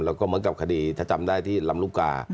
แล้วก็เหมือนกับคดีถ้าจำได้ที่ลำลูกกา